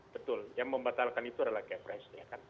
betul yang membatalkan itu adalah kepres